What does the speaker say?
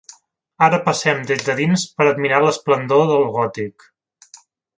Ara passem des de dins per admirar l'esplendor del gòtic.